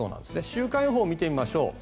週間予報を見てみましょう。